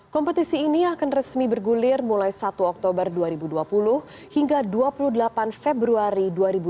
kompetisi ini akan resmi bergulir mulai satu oktober dua ribu dua puluh hingga dua puluh delapan februari dua ribu dua puluh